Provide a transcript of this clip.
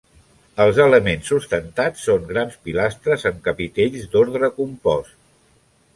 Els elements sustentats són grans pilastres amb capitells d'ordre compost.